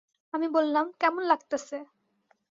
আমি বললাম, কেমন লাগতেছে?